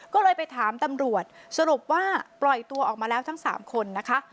ก็เลยไปถามตำรวจสรุปว่าปล่อยตัวออกมาแล้วทั้ง๓คนนะคะ